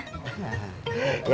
ya neng ya